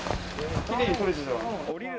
きれいに取れてたわ。